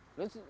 terus lu sebut